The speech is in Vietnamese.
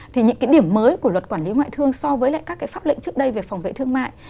thì những cái điểm mới của luật quản lý ngoại thương so với lại các cái pháp lệnh trước đây về phòng vệ thương mại